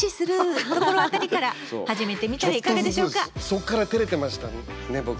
そっから照れてましたね僕。